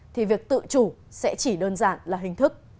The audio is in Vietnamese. thì việc tự chủ sẽ chỉ đơn giản là hình thức